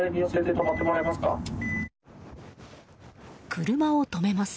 車を止めます。